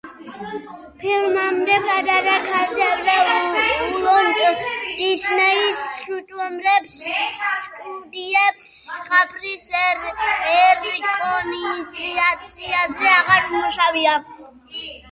ფილმამდე „პატარა ქალთევზა“ უოლტ დისნეის სტუდიებს ზღაპრის ეკრანიზაციაზე აღარ უმუშავია.